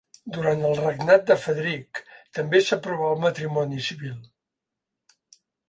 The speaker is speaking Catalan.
Durant el regnat de Frederic també s'aprovà el matrimoni civil.